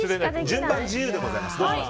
順番は自由でございます。